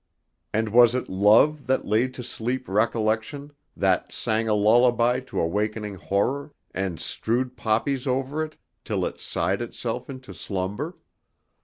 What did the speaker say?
And was it love that laid to sleep recollection, that sang a lullaby to awakening horror, and strewed poppies over it till it sighed itself into slumber?